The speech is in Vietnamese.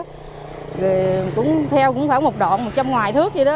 rồi theo cũng phải một đoạn một trăm ngoài thước vậy đó